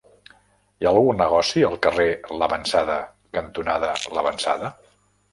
Hi ha algun negoci al carrer L'Avançada cantonada L'Avançada?